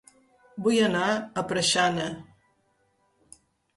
Vull anar a Preixana